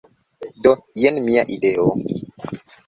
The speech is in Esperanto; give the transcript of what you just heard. Do, jen mia ideo!